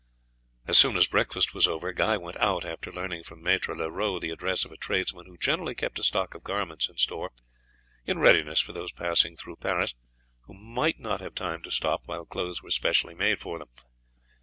As soon as breakfast was over Guy went out, after learning from Maître Leroux the address of a tradesman who generally kept a stock of garments in store, in readiness for those passing through Paris, who might not have time to stop while clothes were specially made for them.